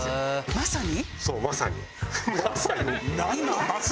「まさに」？